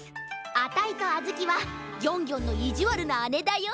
あたいとあずきはギョンギョンのいじわるなあねだよ。